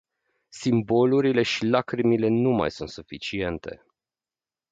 Simbolurile și lacrimile nu mai sunt suficiente.